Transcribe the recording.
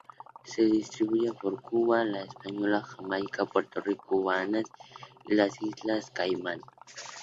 Se distribuya por Cuba, La Española, Jamaica, Puerto Rico, Bahamas y las Islas Caimán.